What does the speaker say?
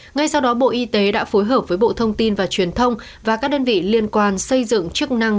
ngay sau đó bộ y tế đã phối hợp với bộ thông tin và truyền thông và các đơn vị liên quan xây dựng chức năng